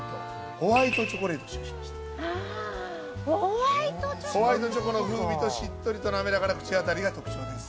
ホワイトチョコの風味としっとりとなめらかな口当たりが特徴です。